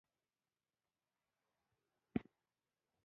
هغه د سمندر غاړه یې د سپین زر سمندرګي په نوم ونوموله.